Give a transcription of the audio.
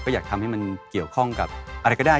อยากทำให้มันเกี่ยวข้องกับอะไรก็ได้